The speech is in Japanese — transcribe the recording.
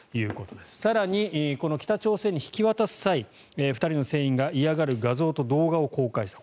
更に、この北朝鮮に引き渡す際２人の船員が嫌がる画像と動画を公開した。